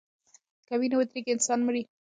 که وینه ودریږي انسان مري.